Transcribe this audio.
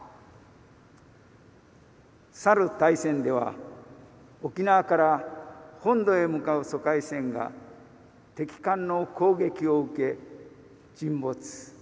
去る大戦では沖縄から本土へ向かう疎開船が敵艦の攻撃を受け沈没。